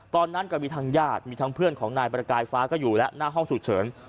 ตอนนั้นก็มีทางญาติมีทั้งเพื่อนของนายประกายฟ้าก็อยู่แล้วหน้าห้องฉุกเฉิน